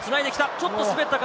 ちょっと滑ったか？